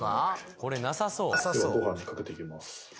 これなさそうではご飯にかけていきます